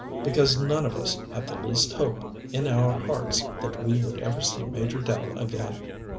Because none of us had the least hope, in our own hearts, that we would ever see Major Dell again.